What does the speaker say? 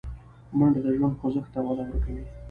منډه د ژوند خوځښت ته وده ورکوي